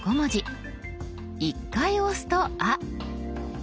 １回押すと「あ」。